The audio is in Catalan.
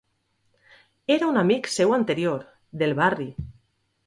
Era un amic seu anterior, del barri.